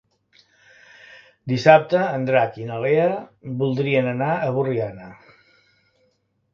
Dissabte en Drac i na Lea voldrien anar a Borriana.